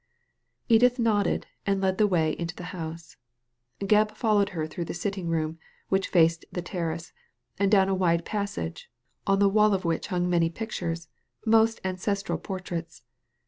Edith nodded, and led the way into the house. Gebb followed her through the sitting room, which faced the terrace, and down a wide passage, on the wall of which hung many pictures, mostly ancestral portraits.